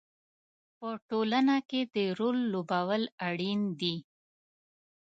په ټولنه کې د رول لوبول اړین دي.